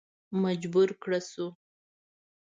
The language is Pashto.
مجبور کړه شو.